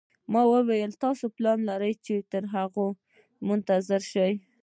ما وویل: تاسي پلان لرئ چې تر هغو منتظر شئ.